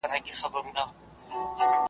مُلا را ووزي مرد میدان سي .